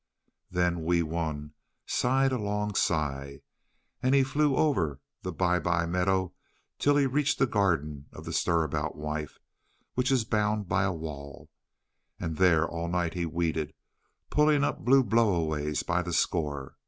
Then Wee Wun sighed a long sigh, and he flew over the Bye bye Meadow till he reached the garden of the Stir about Wife, which is bound about by a wall. And there all night he weeded, pulling up blue blow aways by the score.